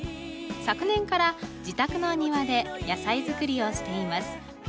昨年から自宅の庭で野菜作りをしています。